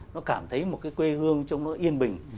nó cảm thấy một cái quê hương chống nó yên bình